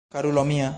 Karulo mia!